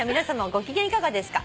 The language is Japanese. ご機嫌いかがですか？」